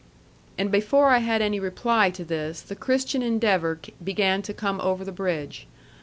And before I had any reply to this, the Christian Endeavor began to come over the bridge.